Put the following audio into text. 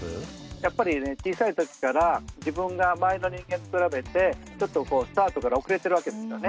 やっぱり小さい時から自分が周りの人間と比べてちょっとスタートから遅れてるわけですよね。